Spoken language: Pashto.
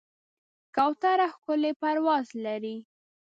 کوتره ښکلی پرواز لري.